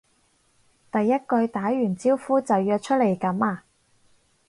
第一句打完招呼就約出嚟噉呀？